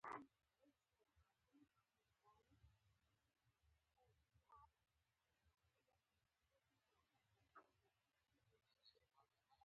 څوک چې وخت ضایع کوي، ژوند له لاسه ورکوي.